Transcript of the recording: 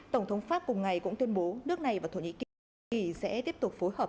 tổng thống pháp cùng ngày cũng tuyên bố nước này và thổ nhĩ kỳ sẽ tiếp tục phối hợp